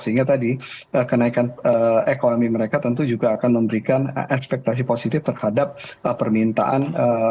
sehingga tadi kenaikan ekonomi mereka tentu juga akan memberikan ekspektasi positif terhadap permintaan